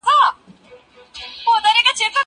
زه پرون کالي مينځلي!؟